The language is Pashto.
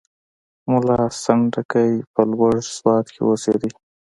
ملا سنډکی په لوړ سوات کې اوسېدی.